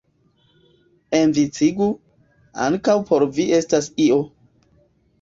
Enviciĝu, ankaŭ por Vi estas io.